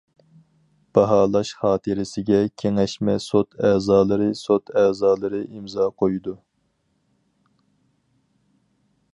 باھالاش خاتىرىسىگە كېڭەشمە سوت ئەزالىرى سوت ئەزالىرى ئىمزا قويىدۇ.